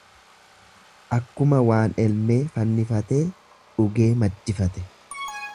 Akkuma waan elmee fannifatee, dhugee maddifate.